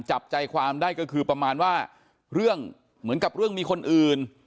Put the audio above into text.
จับใจความได้ก็คือประมาณว่าเรื่องเหมือนกับเรื่องมีคนอื่น